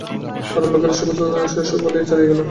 পাড়ার লোকেরা শশব্যস্ত হইয়া ঘরের বাহিরে চলিয়া গেল।